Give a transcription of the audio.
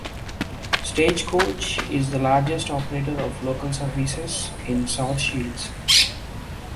Stagecoach is the largest operator of local services in South Shields.